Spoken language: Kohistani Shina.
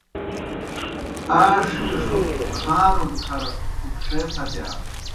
آ ݜِیݜوْ کھاݩرود کھر پُھپݜے پھت۔